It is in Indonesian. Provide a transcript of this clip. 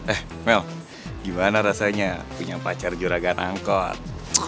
eh mel gimana rasanya punya pacar juragan angkot